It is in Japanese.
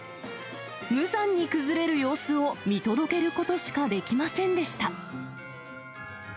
無残に崩れる様子を見届けることしかできませんでした。